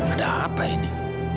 ada apa ini